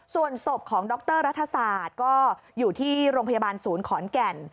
ส่วนศพของดรรัฐศาสตร์ก็อยู่ที่โรงพยาบาลศูนย์ขอนแก่น